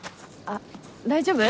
あっ大丈夫？